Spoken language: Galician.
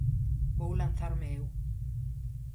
Vou lanzarme eu.